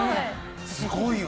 すごいわ。